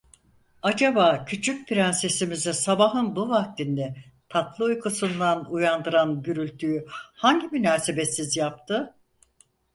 Acaba küçük prensesimizi sabahın bu vaktinde tatlı uykusuından uyandıran gürültüyü hangi münasebetsiz yaptı?